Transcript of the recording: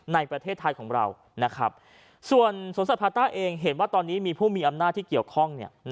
ในประเทศไทยของเราส่วนสวนสัตว์พาต้าเองเห็นว่าตอนนี้มีผู้มีอำนาจที่เกี่ยวข้อง